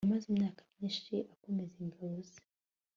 Yamaze imyaka myinshi akomeza ingabo ze